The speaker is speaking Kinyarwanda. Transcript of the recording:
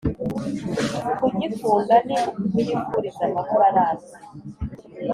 Kugikunda ni ukukifuriza amahoro arambye